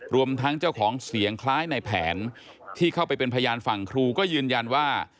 รวมทั้งเจ้าของเสียงคล้ายในแผนที่เข้าไปเป็นพยานฝั่งครูก็ยืนยันว่า